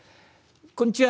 こんちは！」。